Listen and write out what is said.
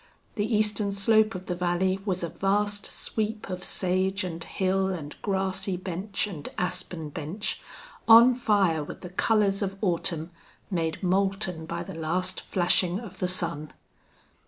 The eastern slope of the valley was a vast sweep of sage and hill and grassy bench and aspen bench, on fire with the colors of autumn made molten by the last flashing of the sun.